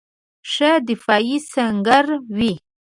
ښه دفاعي سنګر وي.